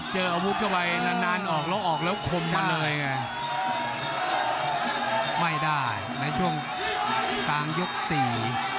เจออาวุธเข้าไปนานนานออกแล้วออกแล้วคมมาเลยไงไม่ได้ในช่วงกลางยกสี่